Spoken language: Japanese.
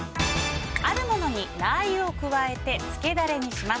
あるものにラー油を加えてつけダレにします。